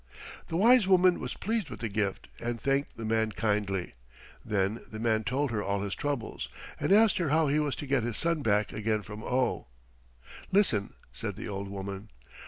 The Wise Woman was pleased with the gift, and thanked the man kindly. Then the man told her all his troubles and asked her how he was to get his son back again from Oh. "Listen!" said the old woman.